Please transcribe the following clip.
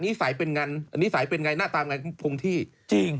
นิสัยเป็นไงหน้าตาเป็นไง